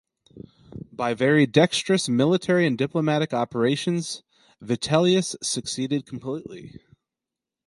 By very dexterous military and diplomatic operations Vitellius succeeded completely.